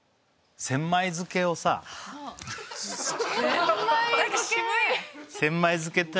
千枚漬けをさ・千枚漬け？